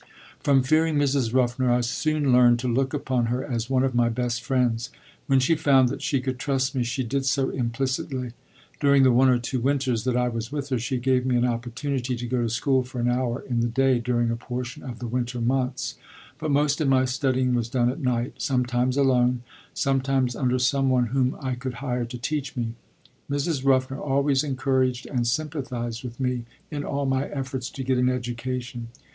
From fearing Mrs. Ruffner I soon learned to look upon her as one of my best friends. When she found that she could trust me she did so implicitly. During the one or two winters that I was with her she gave me an opportunity to go to school for an hour in the day during a portion of the winter months, but most of my studying was done at night, sometimes alone, sometimes under some one whom I could hire to teach me. Mrs. Ruffner always encouraged and sympathized with me in all my efforts to get an education.